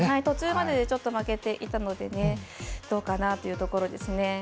途中まで負けていたのでどうかなというところですね。